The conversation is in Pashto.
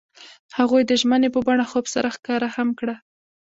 هغوی د ژمنې په بڼه خوب سره ښکاره هم کړه.